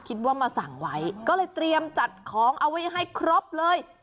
คิดว่ามาสั่งไว้ก็เลยเตรียมจัดของเอาไว้ให้ครบเลย